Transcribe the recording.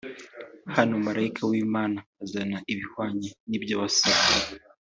Hano malayika w'Imana azana ibihwanye n'ibyo wasabye